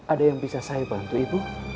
ada yang bisa saya bantu ibu